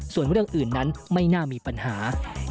ส่วนเรื่องอื่นนั้นไม่น่ามีปัญหา